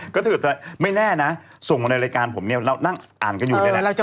ก็ถ้าเกิดไม่แน่นะส่งมาในรายการผมเนี่ยเรานั่งอ่านกันอยู่นี่แหละ